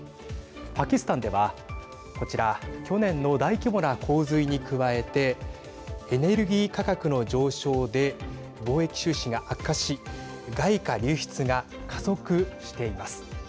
パキスタンではこちら去年の大規模な洪水に加えてエネルギー価格の上昇で貿易収支が悪化し外貨流出が加速しています。